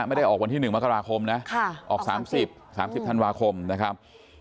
ไม่ได้ออกวันที่๑มกราคมนะออก๓๐๓๐ธันวาคมนะครับ